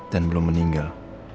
dan belum meninggal